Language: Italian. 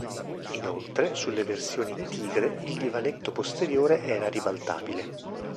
Inoltre, sulle versioni "Tigre" il divanetto posteriore era ribaltabile.